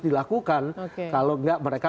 dilakukan kalau enggak mereka